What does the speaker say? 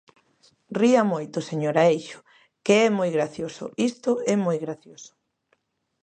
Ría moito, señora Eixo, que é moi gracioso, isto é moi gracioso.